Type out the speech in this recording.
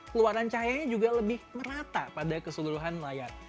keluaran cahayanya juga lebih merata pada keseluruhan layar